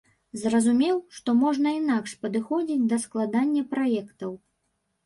Зразумеў, што можна інакш падыходзіць да складання праектаў.